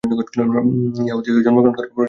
য়াহুদী হইয়া জন্মগ্রহণ করার প্রয়োজনও আমার নাই।